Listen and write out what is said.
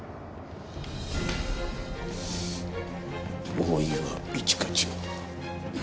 大岩一課長。